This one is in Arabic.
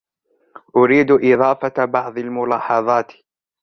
أريد إضافة بعض الملاحظات